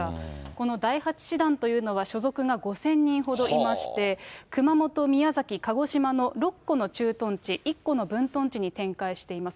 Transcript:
この第８師団というのは、所属が５０００人ほどいまして、熊本、宮崎、鹿児島の６個の駐屯地、１個の分屯地に展開しています。